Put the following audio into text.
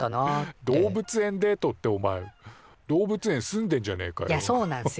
動物園デートっておまえ動物園住んでんじゃねえかよ。